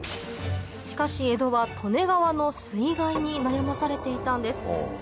しかし江戸は利根川の水害に悩まされていたんです